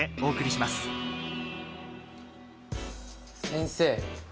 先生